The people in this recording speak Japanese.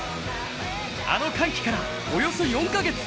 あの歓喜からおよそ４カ月。